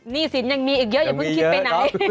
หนี้สินยังมีอีกเยอะอย่าเพิ่งคิดไปไหน